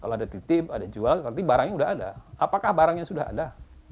kalau ada titip ada jual berarti barangnya sudah ada apakah barangnya sudah ada